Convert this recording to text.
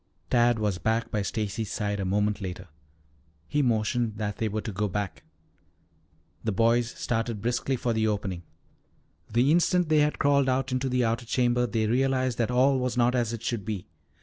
Tad was back by Stacy's side a moment later. He motioned that they were to go back. The boys started briskly for the opening. The instant they had crawled out into the outer chamber they realized that all was not as it should be.